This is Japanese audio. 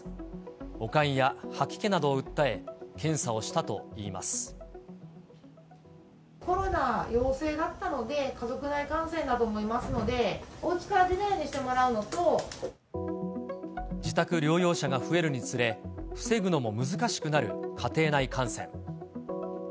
悪寒や吐き気などを訴え、検査をコロナ陽性だったので、家族内感染だと思いますので、おうちから出ないようにしてもら自宅療養者が増えるにつれ、防ぐのも難しくなる家庭内感染。